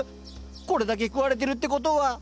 これだけ食われてるってことは。